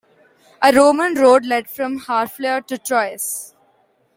A Roman road led from Harfleur to Troyes.